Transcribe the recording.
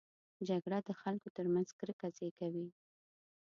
جګړه د خلکو ترمنځ کرکه زېږوي